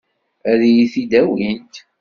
Ad iyi-t-id-awint?